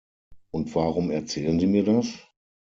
Und warum erzählen Sie mir das?